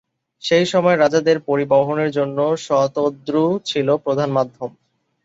সেই সময়ে রাজাদের পরিবহনের জন্য, শতদ্রু ছিল প্রধান মাধ্যম।